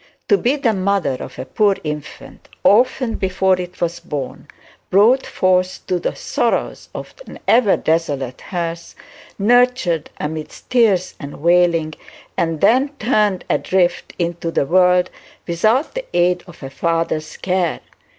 To be the mother of a poor infant, orphaned before it was born, brought forth to the sorrows of an ever desolate hearth, nurtured amidst tears and wailing, and then turned adrift into the world without the aid of a father's care!